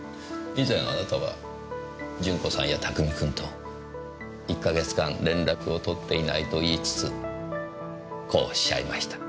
以前あなたは順子さんや拓海君と１か月間連絡をとっていないと言いつつこうおっしゃいました。